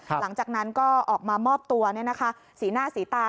หลังจากนั้นก็ออกมามอบตัวสีหน้าสีตา